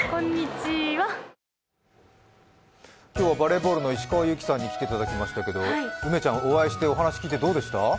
今日はバレーボールの石川祐希さんに来てもらいました梅ちゃん、お会いしてお話聞いてどうでした？